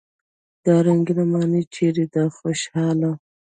دا رنګينې معنی چېرې دي خوشحاله!